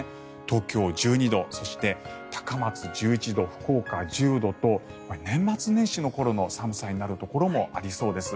東京、１２度そして高松、１１度福岡１０度と年末年始の頃の寒さになるところもありそうです。